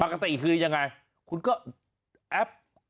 ปกติคือยังไงคุณก็แอป